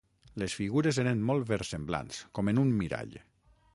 Les figures eren molt versemblants, com en un mirall.